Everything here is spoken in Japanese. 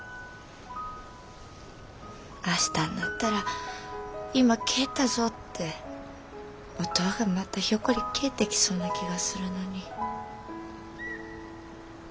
明日んなったら「今帰ったぞ」っておとうがまたひょっこり帰ってきそうな気がするのに。